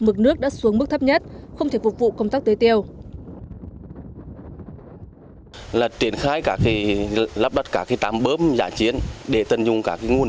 mực nước đã xuống mức thấp nhất không thể phục vụ công tác tế tiêu